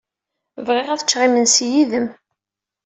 Bɣiɣ ad ččeɣ imensi yid-m.